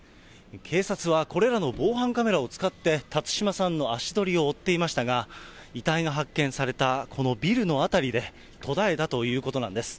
警察はこれらの防犯カメラを使って、辰島さんの足取りを追っていましたが、遺体が発見されたこのビルの辺りで、途絶えたということなんです。